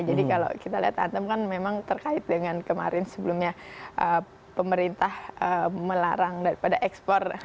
jadi kalau kita lihat antam kan memang terkait dengan kemarin sebelumnya pemerintah melarang daripada ekspor